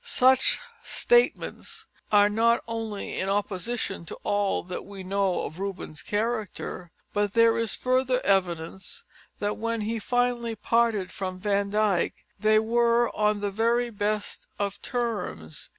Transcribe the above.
Such statements are not only in opposition to all that we know of Rubens' character, but there is the further evidence that when he finally parted from Van Dyck they were on the very best of terms.